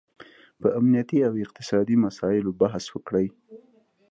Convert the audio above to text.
په امنیتي او اقتصادي مساییلو بحث وکړي